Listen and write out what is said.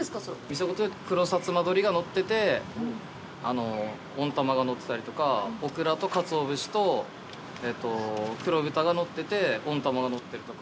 店ごとに、黒薩摩鶏がのってて温玉がのってたりとかオクラとカツオ節と黒豚がのってて温玉がのってるとか。